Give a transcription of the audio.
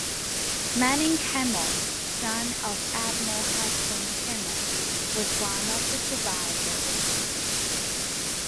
Manning Kimmel, son of Admiral Husband Kimmel, was one of the survivors.